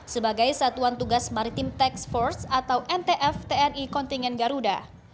sebagai satuan tugas maritim tax force atau ntf tni kontingen garuda